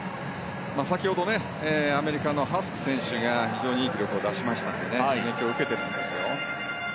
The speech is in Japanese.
先ほどアメリカのハスク選手が非常にいい記録を出しましたので刺激を受けているはずですよ。